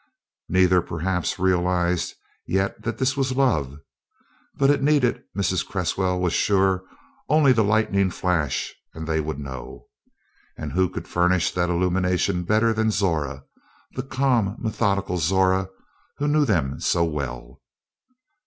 Neither perhaps realized yet that this was love, but it needed, Mrs. Cresswell was sure, only the lightning flash, and they would know. And who could furnish that illumination better than Zora, the calm, methodical Zora, who knew them so well?